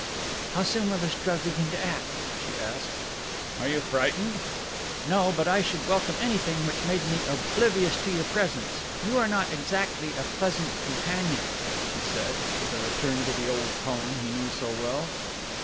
"How soon will this drug begin to act?" she asked. "Are you frightened?" "No, but I should welcome anything which made me oblivious to your presence you are not exactly a pleasant companion," she said, with a return to the old tone he knew so well.